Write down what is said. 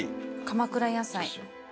鎌倉野菜。